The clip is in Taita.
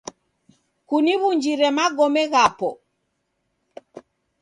Kuniw'unjire magome ghapo.